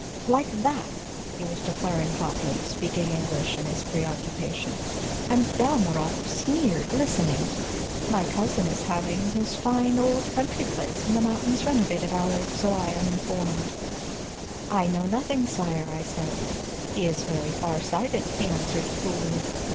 "Like that," he was declaring hotly, speaking English in his preoccupation, "and Dalmorov sneered, listening. 'My cousin is having his fine old country place in the mountains renovated, Allard, so I am informed.' 'I know nothing, sire,' I said. 'He is very far sighted,' he answered coolly.